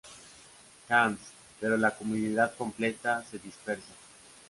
Hans, pero la comunidad completa se dispersa.